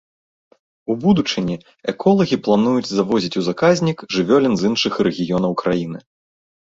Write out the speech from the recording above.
У будучыні эколагі плануюць завозіць у заказнік жывёлін з іншых рэгіёнаў краіны.